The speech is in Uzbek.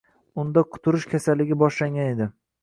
Unda quturish kasaligi boshlangan edi.